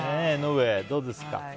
江上、どうですか？